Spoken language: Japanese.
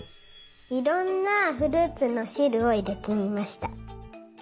いろんなフルーツのしるをいれてみました。